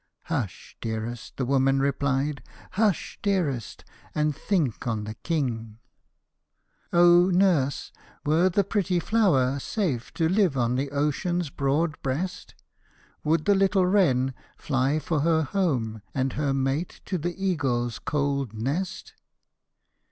* Hush, dearest 1 ' the woman replied. ' Hush, dearest, and think on the King !'' Oh, nurse, were the pretty flower safe to Hve on the ocean's broad breast ? Would the little wren fly for her home and her mate to the eagle's cold nest?